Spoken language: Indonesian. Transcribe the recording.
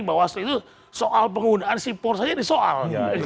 bahwa asli itu soal penggunaan sipor saja disoal